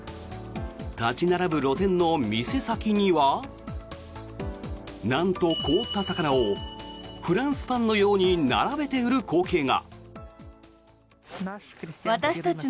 立ち並ぶ露店の店先にはなんと、凍った魚をフランスパンのように並べて売る光景が。